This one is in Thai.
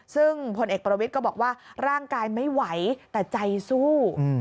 ซึ่งพลเอกประวิทย์ก็บอกว่าร่างกายไม่ไหวแต่ใจสู้